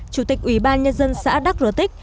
chủ tịch ủy ban nhân dân xã đắc rutin